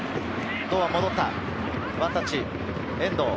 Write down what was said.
堂安、戻った、ワンタッチ、遠藤。